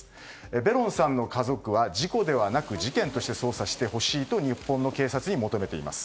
ベロンさんの家族は事故ではなく事件として捜査してほしいと日本の警察に求めています。